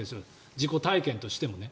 自己体験としてもね。